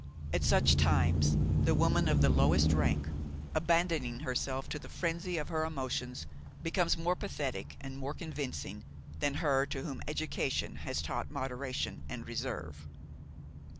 At such times the woman of the lowest rank, abandoning herself to the frenzy of her emotions, becomes more pathetic and more convincing than her to whom education has taught moderation and reserve.